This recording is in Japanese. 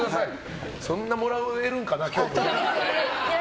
そんなもらえるんかな、今日。